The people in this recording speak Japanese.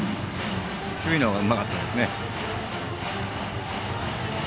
守備の方がうまかったですね。